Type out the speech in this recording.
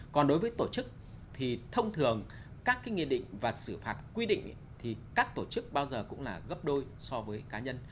còn đối với tổ chức thì thông thường các cái nghị định và xử phạt quy định thì các tổ chức bao giờ cũng là gấp đôi so với cá nhân